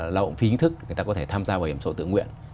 lao động phí ý thức người ta có thể tham gia bảo hiểm xã hội tự nguyện